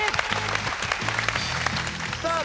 さあ